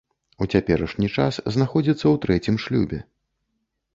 У цяперашні час знаходзіцца ў трэцім шлюбе.